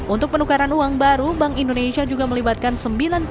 untuk penukaran uang baru bank indonesia juga melibatkan